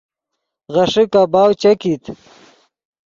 غیݰے کباؤ چے کیت